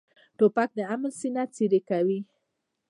توپک د امن سینه څیرې کوي.